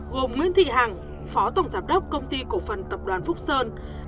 gồm nguyễn thị hằng phó tổng giám đốc công ty cổ phần tập đoàn phúc sơn